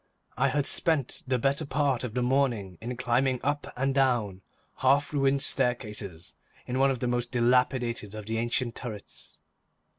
I had spent the better part of the morning in climbing up and down half ruined staircases in one of the most dilapidated of the ancient turrets.